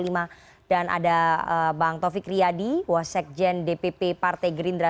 kemudian ada bang taufik riyadi wasyek jen dpp partai gerindra